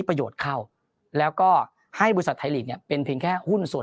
ประโยชน์เข้าแล้วก็ให้บริษัทไทยลีกเนี่ยเป็นเพียงแค่หุ้นส่วน